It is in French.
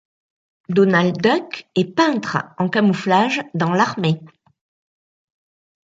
Donald Duck est peintre en camouflage dans l'armée.